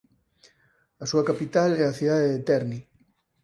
A súa capital é a cidade de Terni.